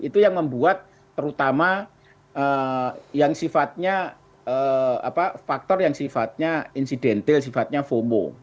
itu yang membuat terutama yang sifatnya faktor yang sifatnya insidentil sifatnya fomo